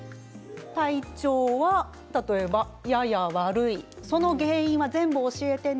体調は例えば、やや悪いその原因は全部、教えてね